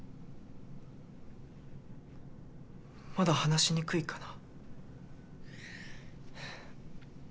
まだ話しにくいかな？